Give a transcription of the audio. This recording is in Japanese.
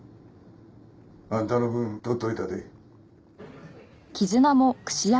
あんたの分取っといたで。